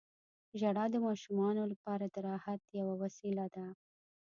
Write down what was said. • ژړا د ماشومانو لپاره د راحت یوه وسیله ده.